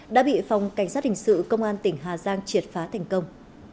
đã bị phòng cảnh sát hình sự công an tỉnh hà giang triệt phá thành công